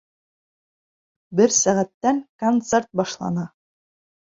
Бер сәғәттән концерт башлана.